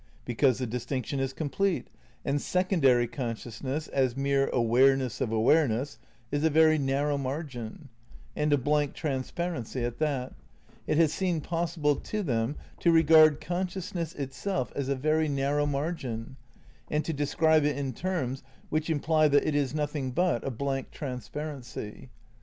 Because the distinction is complete, and secondary consciousness, as mere awareness of awareness, is a very narrow margin, and a blank transparency at that, it has seemed possible to them to regard consciousness itself as a very narrow margin, and to describe it in terms which imply that it is nothing but a blank transparency.